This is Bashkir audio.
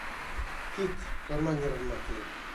Кит, торма нервыма тейеп!